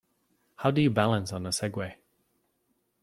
How do you balance on a Segway?